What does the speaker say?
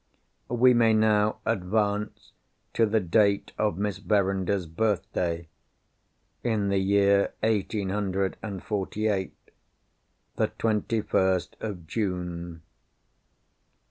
We may now advance to the date of Miss Verinder's birthday (in the year eighteen hundred and forty eight)—the twenty first of June.